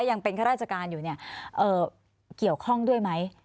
ยังเป็นข้าราชการอยู่เนี่ยเกี่ยวข้องด้วยไหม